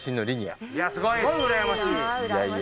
すごい！